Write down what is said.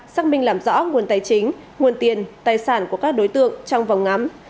xác minh làm rõ nguồn tài chính nguồn tiền tài sản của các đối tượng trong vòng ngắm